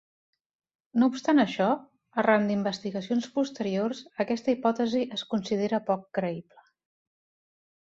No obstant això, arran d'investigacions posteriors aquesta hipòtesi es considera poc creïble.